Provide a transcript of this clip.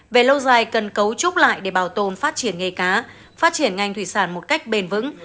về lâu dài cần cấu trúc lại để bảo tồn phát triển nghề cá phát triển ngành thủy sản một cách bền vững